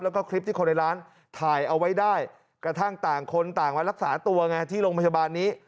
แล้วก็คลิปที่คนในร้านถ่ายเอาไว้ได้กระทั่งต่างคนต่างมารักษาตัวไงที่โรงพยาบาลนี้